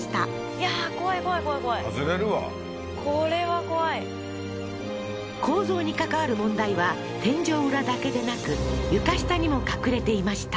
いやー怖い怖い怖い怖い外れるわこれは怖い構造に関わる問題は天井裏だけでなく床下にも隠れていました